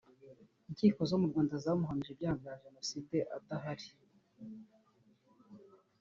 Inkiko zo mu Rwanda zamuhamije ibyaha bya Jenoside adahari